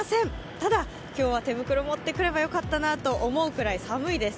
ただ、今日は手袋、持ってくればよかったなと思うくらい寒いです。